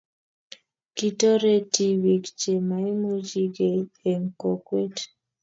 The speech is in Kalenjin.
Kitoriti biik che maimuchi gei eng' kokwet